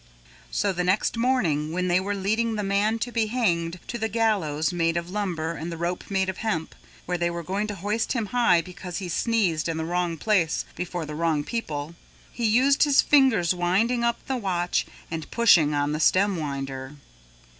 So the next morning when they were leading the man to be hanged to the gallows made of lumber and the rope made of hemp, where they were going to hoist him high because he sneezed in the wrong place before the wrong people, he used his fingers winding up the watch and pushing on the stem winder.